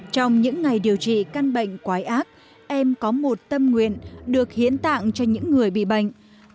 trong những ngày điều trị căn bệnh quái ác em có một tâm nguyện được hiến tặng cho những người bị bệnh